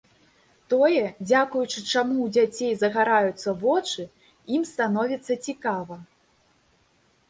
Тое, дзякуючы чаму ў дзяцей загараюцца вочы, ім становіцца цікава.